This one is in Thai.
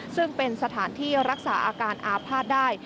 ซึ่งเป็นสถานที่รักษาอาการอาภาษณ์ได้